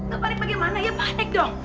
gak panik bagaimana ya panik dong